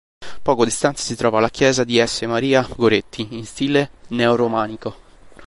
Poco distante si trova la chiesa di S. Maria Goretti, in stile neo-romanico.